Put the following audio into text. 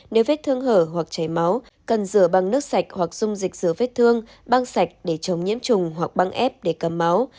nếu vết thương hở hoặc chảy máu cần rửa bằng nước sạch hoặc dung dịch rửa vết thương băng sạch để chống nhiễm trùng hoặc băng ép để cầm máu